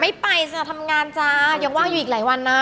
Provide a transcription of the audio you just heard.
ไม่ไปจ้ะทำงานจ้ายังว่างอยู่อีกหลายวันนะ